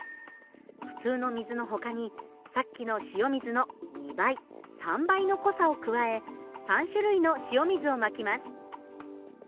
普通の水のほかにさっきの塩水の２倍３倍の濃さを加え３種類の塩水をまきます。